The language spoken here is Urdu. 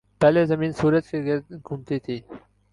پہلے زمین سورج کے گرد گھومتی تھی۔